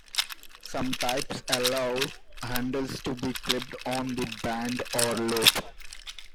Some types allow handles to be clipped on the band or loop.